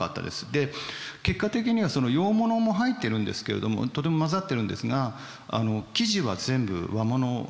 で結果的には洋物も入ってるんですけれどもとても交ざってるんですが生地は全部和物なんですね。